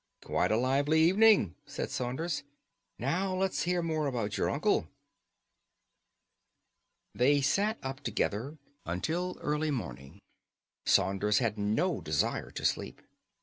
"Quite a lively evening," said Saunders. "Now let's hear more about your uncle." They sat up together until early morning. Saunders had no desire for sleep.